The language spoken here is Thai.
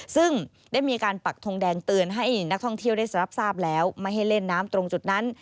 ซึ่งได้มีการปักทงแดงเตือนให้นักท่องเที่ยวได้รับทราบแล้วไม่ให้เล่นน้ำตรงจุดนั้น